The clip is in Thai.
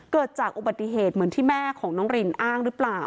เกิดจากอุบัติเหตุเหมือนที่แม่ของน้องรินอ้างหรือเปล่า